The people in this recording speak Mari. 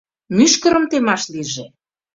Мӱшкырым темаш лийже.